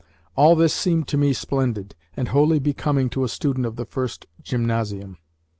All this seemed to me splendid, and wholly becoming to a student of the first gymnasium.